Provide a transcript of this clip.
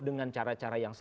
dengan cara cara yang